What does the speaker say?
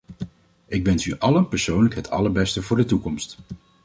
Ik wens u allen persoonlijk het allerbeste voor de toekomst!